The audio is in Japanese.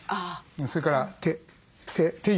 それから手。